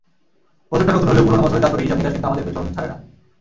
বছরটা নতুন হলেও পুরোনো বছরের দাপ্তরিক হিসাব-নিকাশ কিন্তু আমাদের পেছন ছাড়ে না।